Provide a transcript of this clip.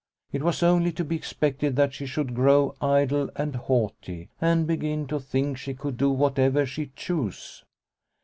It was only to be expected that she should grow idle and haughty, and begin to think she could do whatever she chose.